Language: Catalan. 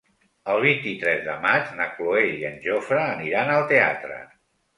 El vint-i-tres de maig na Cloè i en Jofre aniran al teatre.